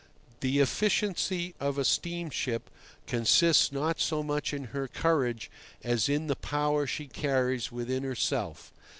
The efficiency of a steamship consists not so much in her courage as in the power she carries within herself.